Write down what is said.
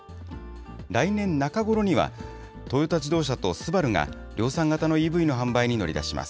来年中頃には、トヨタ自動車とＳＵＢＡＲＵが量産型のＥＶの販売に乗り出します。